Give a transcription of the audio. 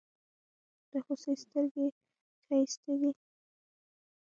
د هوسۍ ستړگي ښايستې دي.